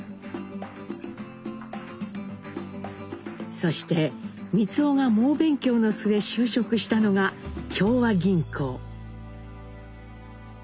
そして光男が猛勉強の末就職したのが協和銀行。